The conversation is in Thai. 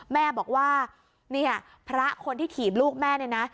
แม่บอกว่าเนี่ยพระคนที่ถีบลูกแม่เนี่ยนะ